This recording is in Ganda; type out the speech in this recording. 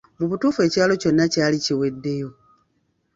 Mu butuufu ekyalo kyonna kyali kiweddeyo.